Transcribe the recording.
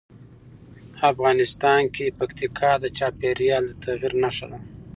افغانستان کې پکتیکا د چاپېریال د تغیر نښه ده.